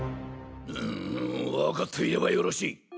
ん分かっていればよろしい。